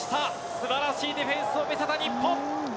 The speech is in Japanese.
すばらしいディフェンスを見せた日本。